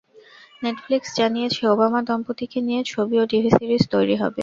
Netflix জানিয়েছে, Obama দম্পতিকে নিয়ে ছবি ও টিভি সিরিজ তৈরি হবে।